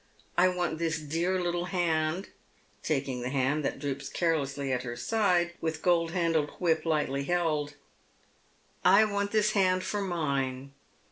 I want this dear little hand," taking the hand that droops carelessly at her side, with gold handled whip lightly held, " I want this hand for mine.